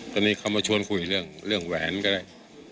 ตอนนี้เขามาชวนคุยเรื่องแหวนก็ได้